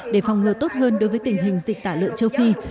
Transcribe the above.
để phòng ngừa tốt hơn đối với tình hình dịch tả lợn châu phi